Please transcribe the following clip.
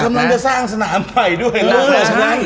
กำลังจะสร้างสนามใหม่ด้วย